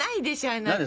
あなた。